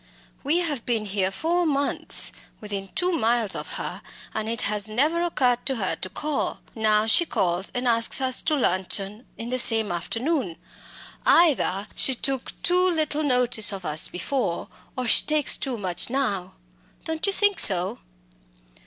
We have been here four months, within two miles of her, and it has never occurred to her to call. Now she calls and asks us to luncheon in the same afternoon. Either she took too little notice of us before, or she takes too much now don't you think so?"